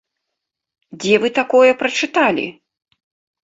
Дзе вы такое прачыталі?